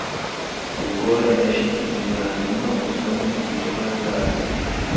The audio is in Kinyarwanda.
ubwoya na shitingi hanyuma usome ejo hazaza